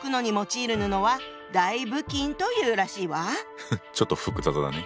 フッちょっと複雑だね。